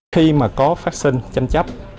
khi mà có phát sinh tranh chấp